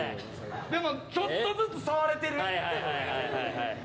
でもちょっとずつ触れてる。